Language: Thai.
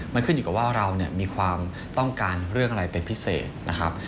มันขึ้นอยู่กับว่าเรามีความต้องการเรื่องอะไรเป็นพิเศษนะครับ